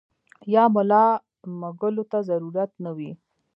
يا ملا مږلو ته ضرورت نۀ وي -